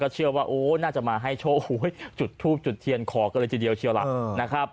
เชื่อว่าโอ๊ยน่าจะมาให้โชว์จุดทูบจุดเทียนขอก็เลยเจียวหลัก